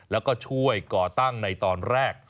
แล้วก็ช่วยก่อตั้งในตอนแรก